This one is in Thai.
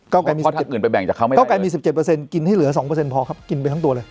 ก้าวไก่มี๑๗เปอร์เซ็นต์กินให้เหลือ๒เปอร์เซ็นต์พอครับกินไปทั้งตัวเลย